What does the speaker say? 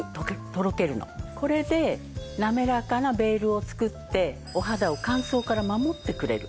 これでなめらかなベールを作ってお肌を乾燥から守ってくれる。